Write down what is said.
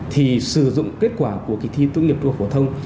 thì sử dụng kết quả của kỳ thi trung học phổ thông